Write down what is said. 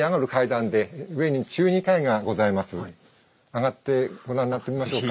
あがってご覧になってみましょうか。